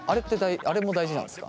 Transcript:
あれも大事なんですか？